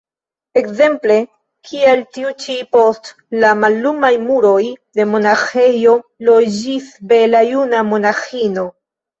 Ekzemple kiel tiu ĉi: post la mallumaj muroj de monaĥejo loĝis bela juna monaĥino.